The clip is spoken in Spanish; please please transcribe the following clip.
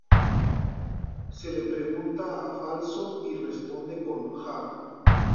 Se le pregunta a Falso y responde con ja.